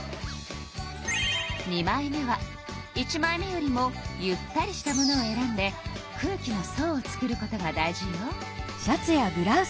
２枚目は１枚目よりもゆったりしたものを選んで空気の層をつくることが大事よ。